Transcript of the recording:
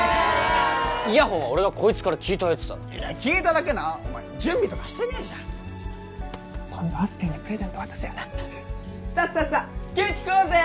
イヤホンは俺がこいつから聞いたやつだろ聞いただけなお前準備とかしてねえじゃん今度あすぴょんにプレゼント渡せよなさあさあさあケーキ食おうぜ！